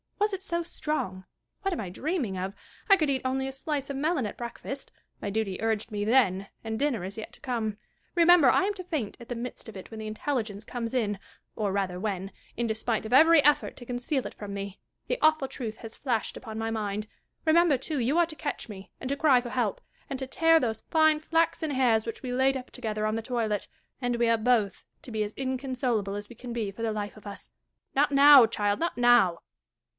Was it so strong'? What am I dreaming of? I could eat only a slice of melon at breakfast ; my duty urged me then, and dinner is yet to come. Remember, I am to faint at the midst of it when the intelligence comes in, or ratlier when, in despite of every effort to conceal it from me, the awful truth has flashed upon my mind. Remember, too, you are to catch me, and to cry for help, and to tear those fine flaxen hairs which we laid up together on the toilet ; and we are both to be as inconsolable as we can be for the life of us. Not now, child, not now.